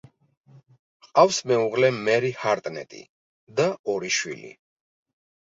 ჰყავს მეუღლე მერი ჰარტნეტი და ორი შვილი.